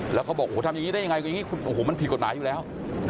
แล้วเขาบอกโอ้โหทำอย่างนี้ได้ยังไงโอ้โหมันผิดกฎหลายอยู่แล้ว